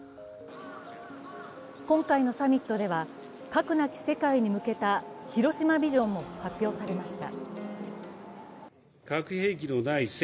今回のサミットでは核なき世界に向けた広島ビジョンも発表されました。